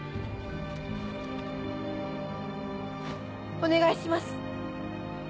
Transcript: お願いします。